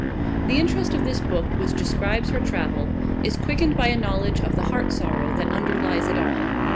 The interest of this book which describes her travel is quickened by a knowledge of the heart sorrow that underlies it all.